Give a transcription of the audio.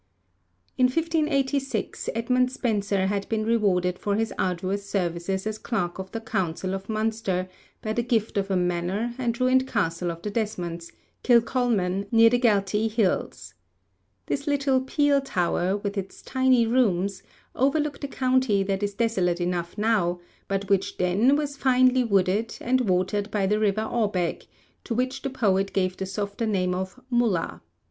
In 1586 Edmund Spenser had been rewarded for his arduous services as Clerk of the Council of Munster by the gift of a manor and ruined castle of the Desmonds, Kilcolman, near the Galtee hills. This little peel tower, with its tiny rooms, overlooked a county that is desolate enough now, but which then was finely wooded, and watered by the river Awbeg, to which the poet gave the softer name of Mulla.